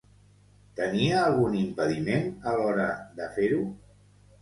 Tenia algun impediment a l'hora de fer-ho?